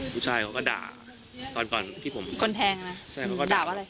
ผู้ชายเขาก็ด่าตอนก่อนที่ผมคนแทงนะใช่เขาก็ด่าว่าอะไร